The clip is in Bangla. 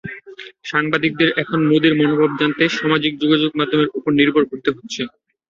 সাংবাদিকদের এখন মোদির মনোভাব জানতে সামাজিক যোগাযোগের মাধ্যমের ওপর নির্ভর করতে হচ্ছে।